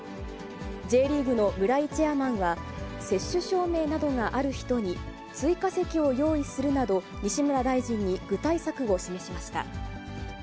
Ｊリーグの村井チェアマンは、接種証明などがある人に、追加席を用意するなど、西村大臣に具体策を示しました。